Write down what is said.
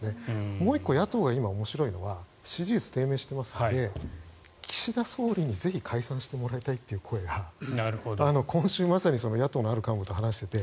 もう１個野党が今、面白いのは支持率低迷していますので岸田総理にぜひ解散してもらいたいという声が今週、まさに野党のある幹部と話していて。